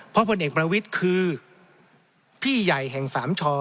เพราะผลเอกประวิทย์คือพี่ใหญ่แห่งสามชอ